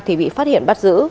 thì bị phát hiện bắt giữ